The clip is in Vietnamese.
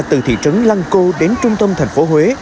từ thị trấn lăng cô đến trung tâm thành phố huế